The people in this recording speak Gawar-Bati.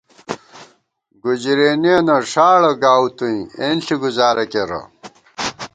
گُجرېنِیَنہ ݭاڑہ گاؤو توئیں ، اېنݪی گُزارہ کېرہ